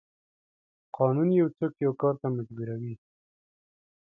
قانون یو څوک یو کار ته مجبوروي.